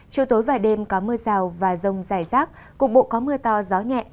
chiều tối và đêm có mưa rào và rông dài rác cục bộ có mưa to gió nhẹ